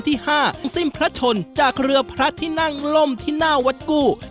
ที่๕สิ้นพระชนจากเรือพระที่นั่งล่มที่หน้าวัดกู้